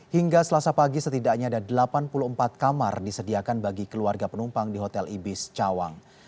hingga selasa pagi setidaknya ada delapan puluh empat kamar disediakan bagi keluarga penumpang di hotel ibis cawang